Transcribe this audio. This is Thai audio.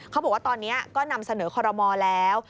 เขาบอกว่าตอนนี้ก็นำเสนอคอรมอลแล้ว